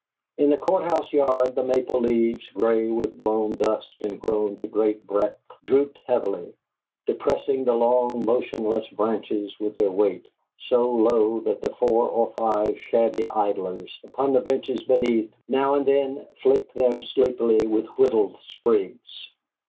In the Court house yard the maple leaves, gray with blown dust and grown to great breadth, drooped heavily, depressing the long, motionless branches with their weight, so low that the four or five shabby idlers, upon the benches beneath, now and then flicked them sleepily with whittled sprigs.